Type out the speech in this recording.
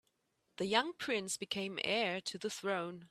The young prince became heir to the throne.